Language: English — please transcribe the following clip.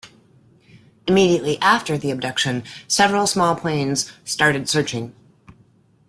Immediately after the abduction several small planes started searching.